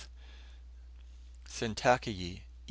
Sentakeyi, E.